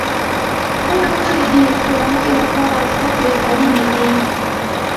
بله دا چې د تورنۍ لپاره زده کړې اړینې دي.